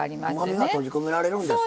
うまみが閉じ込められるんですか。